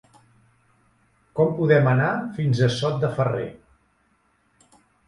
Com podem anar fins a Sot de Ferrer?